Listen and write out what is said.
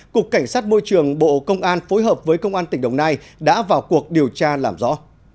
cục cảnh sát môi trường bộ công an phối hợp với công an tỉnh đồng nai đã vào cuộc điều tra làm rõ